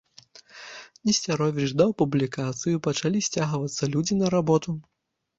Несцяровіч даў публікацыю, і пачалі сцягвацца людзі на работу.